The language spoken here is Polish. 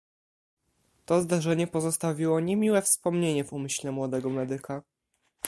"To zdarzenie pozostawiło niemiłe wspomnienie w umyśle młodego medyka."